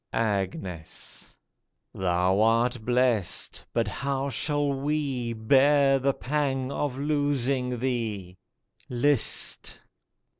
54 AGNES Thou art blest, but how shall we Bear the pang of losing thee ? List